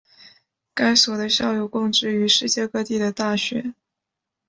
该所的校友供职于世界各地的大学。